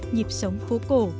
nhịp sống phố cổ